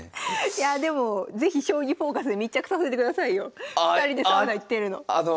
いやでも是非「将棋フォーカス」で密着させてくださいよ２人でサウナ行ってるの。